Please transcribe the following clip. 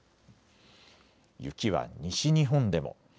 雪は西日本でも。